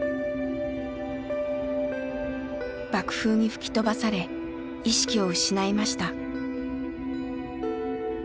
爆風に吹き飛ばされ意識を失いました。